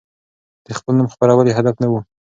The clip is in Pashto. د خپل نوم خپرول يې هدف نه و.